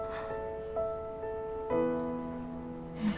うん。